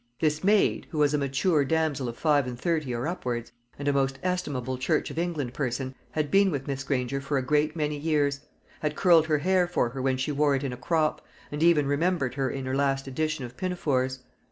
This maid, who was a mature damsel of five and thirty or upwards, and a most estimable Church of England person, had been with Miss Granger for a great many years; had curled her hair for her when she wore it in a crop, and even remembered her in her last edition of pinafores.